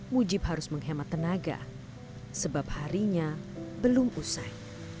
mujib harus menghemat tenaga sebab harinya belum usai